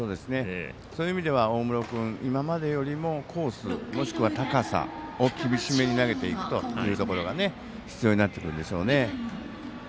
そういう意味では大室君、今までよりもコース、もしくは高さを厳しめに投げていくというところ必要になってくるんでしょうね。